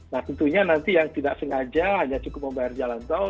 nah tentunya nanti yang tidak sengaja hanya cukup membayar jalan tol